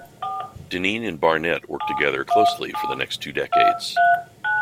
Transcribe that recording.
Deneen and Barnett worked together closely for the next two decades.